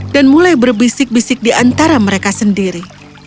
dan mulai berbisik bisik di antara mereka sendiri